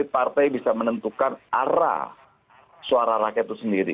partai bisa menentukan arah suara rakyat itu sendiri